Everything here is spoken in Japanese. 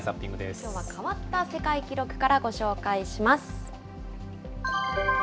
きょうは変わった世界記録からご紹介します。